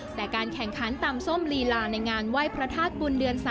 แต่การแข่งขันตำส้มลีลาในงานไหว้พระธาตุบุญเดือน๓